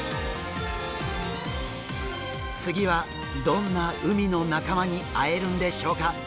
次はどんな海の仲間に会えるんでしょうか？